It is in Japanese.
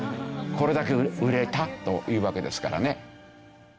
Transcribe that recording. これだけ売れたというわけですからね。